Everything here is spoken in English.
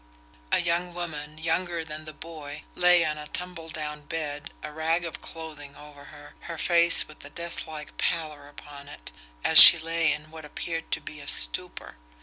A young woman, younger than the boy, lay on a tumble down bed, a rag of clothing over her her face with a deathlike pallor upon it, as she lay in what appeared to be a stupor.